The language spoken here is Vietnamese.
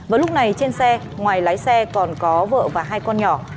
vào lúc này trên xe ngoài lái xe còn có vợ và hai con nhỏ